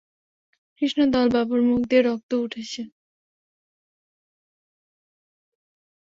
কৃষ্ণদয়ালবাবুর মুখ দিয়ে রক্ত উঠছে।